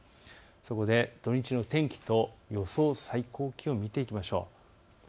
そこで土日の天気と予想最高気温を見ていきましょう。